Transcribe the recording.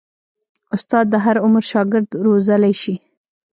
استاد د هر عمر شاګرد روزلی شي.